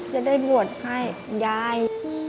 จะได้บวชให้ยาย